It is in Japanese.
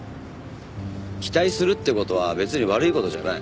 期待するって事は別に悪い事じゃない。